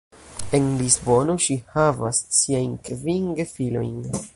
En Lisbono ŝi havas siajn kvin gefilojn.